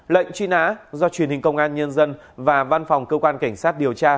lệnh truy nã do truyền hình công an nhân dân và văn phòng cơ quan cảnh sát điều tra